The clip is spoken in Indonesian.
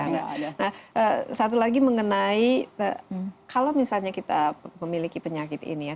nah satu lagi mengenai kalau misalnya kita memiliki penyakit ini ya